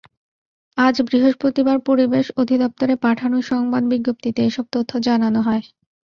আজ বৃহস্পতিবার পরিবেশ অধিদপ্তরে পাঠানো সংবাদ বিজ্ঞপ্তিতে এসব তথ্য জানানো হয়।